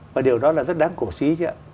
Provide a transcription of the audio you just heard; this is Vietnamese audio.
và điều đó là rất đáng cổ trí